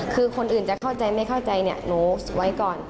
คือคนอื่นจะเข้าใจไม่เข้าใจเนี่ยหนูไว้ก่อน